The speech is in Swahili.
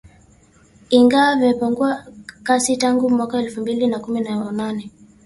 ingawa vimepungua kasi tangu mwaka elfu mbili na kumi na nane